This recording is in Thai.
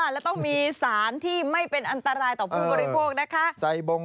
แล้วต้องมีสารที่ไม่เป็นอันตรายต่อผู้บริโภคนะคะ